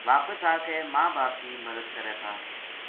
واپس آ کے ماں باپ کی مدد کرے تھا